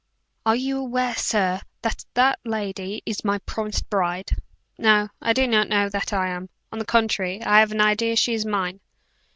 Are you aware, sir, that that lady is my promised bride?" "No, I do not know that I am. On the contrary, I have an idea she is mine."